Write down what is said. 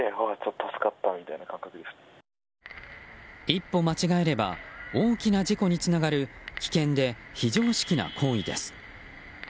一歩間違えれば大きな事故につながる危険で非常識な行為です。